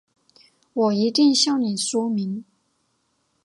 我一定向你说明